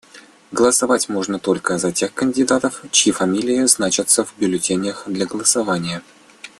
Голосовать можно только за тех кандидатов, чьи фамилии значатся в бюллетенях для голосования.